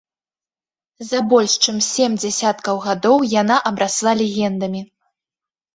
За больш чым сем дзесяткаў гадоў яна абрасла легендамі.